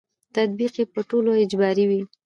تطبیق یې په ټولو اجباري وي.